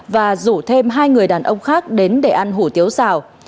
và rủ thêm hai người đàn ông khác đến để ăn hủ tiếu xào